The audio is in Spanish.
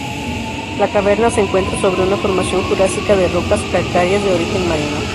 La caverna se encuentra sobre una formación jurásica de rocas calcáreas de origen marino.